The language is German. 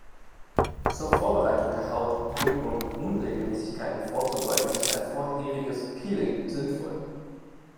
Zur Vorbereitung der Haut und um Unregelmäßigkeiten vorzubeugen, ist ein vorheriges Peeling sinnvoll.